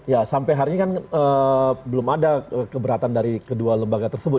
ya sampai hari ini kan belum ada keberatan dari kedua lembaga tersebut